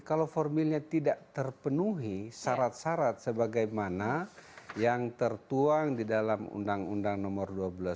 kalau formilnya tidak terpenuhi syarat syarat sebagaimana yang tertuang di dalam undang undang nomor dua belas